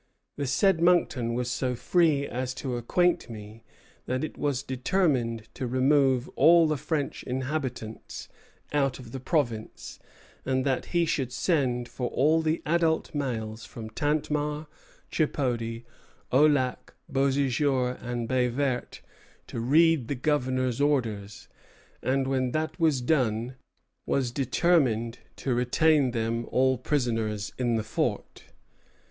"The said Monckton was so free as to acquaint me that it was determined to remove all the French inhabitants out of the province, and that he should send for all the adult males from Tantemar, Chipody, Aulac, Beauséjour, and Baye Verte to read the Governor's orders; and when that was done, was determined to retain them all prisoners in the fort.